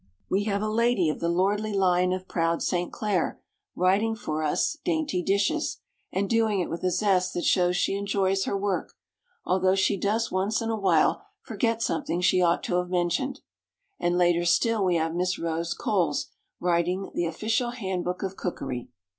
We have a lady of the "lordly line of proud St. Clair" writing for us "Dainty Dishes," and doing it with a zest that shows she enjoys her work, although she does once in a while forget something she ought to have mentioned, and later still we have Miss Rose Coles writing the "Official Handbook of Cookery."